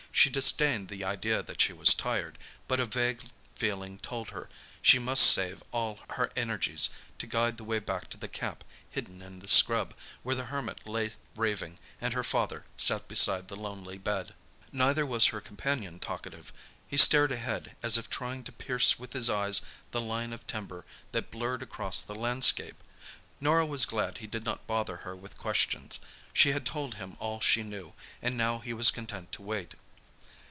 She disdained the idea that she was tired, but a vague feeling told her that she must save all her energies to guide the way back to the camp hidden in the scrub, where the Hermit lay raving, and her father sat beside the lonely bed. Neither was her companion talkative. He stared ahead, as if trying to pierce with his eyes the line of timber that blurred across the landscape. Norah was glad he did not bother her with questions. She had told him all she knew, and now he was content to wait.